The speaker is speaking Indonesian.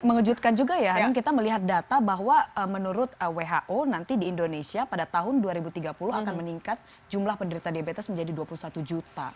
mengejutkan juga ya hanum kita melihat data bahwa menurut who nanti di indonesia pada tahun dua ribu tiga puluh akan meningkat jumlah penderita diabetes menjadi dua puluh satu juta